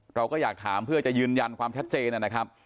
เราก็อยากถามเพื่อจะยืนยันความชัดเจนนะครับ